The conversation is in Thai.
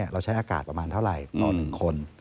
เราใช้อากาศประมาณเท่าไหร่ต่อ๑คน